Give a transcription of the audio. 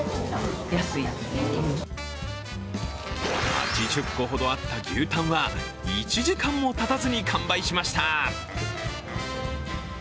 ８０個ほどあった牛タンは１時間もたたずに完売しました。